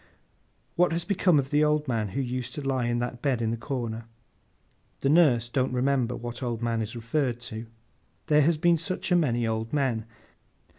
'What has become of the old man who used to lie in that bed in the corner?' The nurse don't remember what old man is referred to. There has been such a many old men.